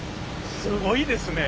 すごいですね。